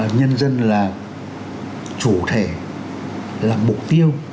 nhân dân là chủ thể là mục tiêu